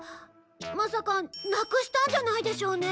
まさかなくしたんじゃないでしょうね。